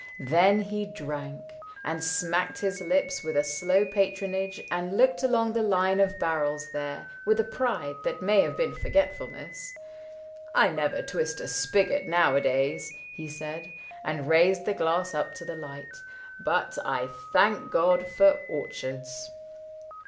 Then he drank And smacked his lips with a slow patronage And looked along the line of barrels there With a pride that may have been forgetfulness :" I never twist a spigot nowadays," He said, and raised the glass up to the light, ^^ But I thank God for orchards."